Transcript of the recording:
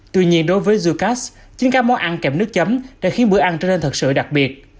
tuy nhiên đối với zucas chính các món ăn kèm nước chấm đã khiến bữa ăn trở nên thật sự đặc biệt